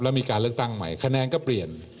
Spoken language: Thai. แล้วมีการเลือกตั้งใหม่คะแนนก็เปลี่ยน